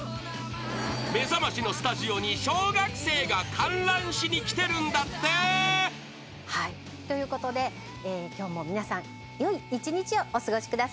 ［『めざまし』のスタジオに小学生が観覧しに来てるんだって］ということで今日も皆さんよい一日をお過ごしください。